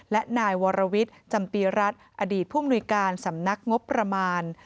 และนายวรวิทย์จำปีรัฐอดีตผู้มนุยการสำนักงบประมาณ